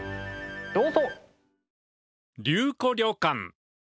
どうぞ！